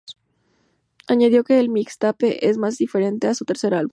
Añadió que el mixtape es más diferente a su tercer álbum.